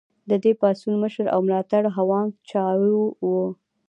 د دې پاڅون مشر او ملاتړی هوانګ چائو و.